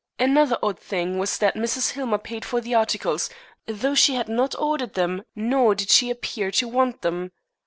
Another odd thing was that Mrs. Hillmer paid for the articles, though she had not ordered them nor did she appear to want them.